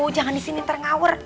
jangan disini terngawur